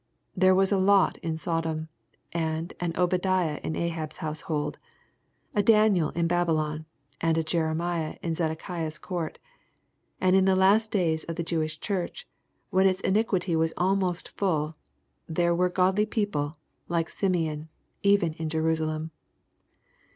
There was a Lot in Sodom and an Obadiah in Ahab's household, a Daniel in Babylon and a Jeremiah in Zedekiah's court ; and in the last days of the Jewish Church, when its iniquity was almost full, there were godly people, like Simeon, even in Jerusalem.